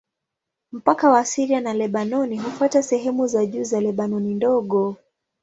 Mpaka wa Syria na Lebanoni hufuata sehemu za juu za Lebanoni Ndogo.